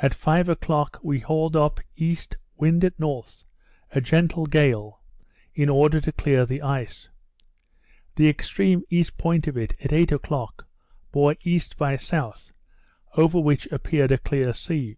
At five o'clock we hauled up east, wind at north, a gentle gale, in order to clear the ice. The extreme east point of it, at eight o'clock, bore E. by S., over which appeared a clear sea.